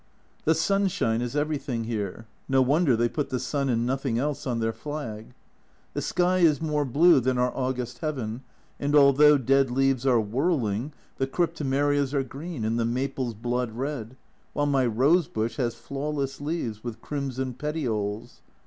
The sunshine is everything here no wonder they put the sun and nothing else on their flag. The sky is more blue than our August heaven and although dead leaves are whirling, the cryptomerias are green and the maples blood red, while my rose bush has flawless leaves, with crimson petioles.